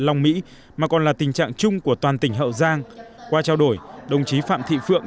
long mỹ mà còn là tình trạng chung của toàn tỉnh hậu giang qua trao đổi đồng chí phạm thị phượng